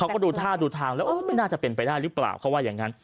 เขาก็ดูท่าดูทางแล้วไม่น่าจะเป็นไปได้หรือเปล่าเขาว่าอย่างนั้น